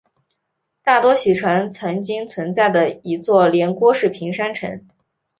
大多喜城曾经存在的一座连郭式平山城。